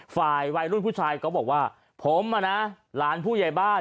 ฝ่ายวัยรุ่นผู้ชายก็บอกว่าผมอ่ะนะหลานผู้ใหญ่บ้าน